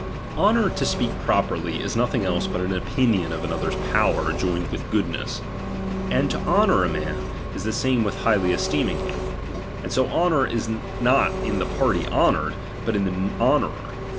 Honour to speak properly, is nothing else but an opinion of another's power joined witl goodness ; and to honour a man, is the same witi highly esteeming bim : and so hoiiour is not lu the party honoured, but iu the honourer.